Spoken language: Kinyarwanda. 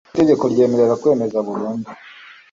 Itegeko ryemerera kwemeza burundu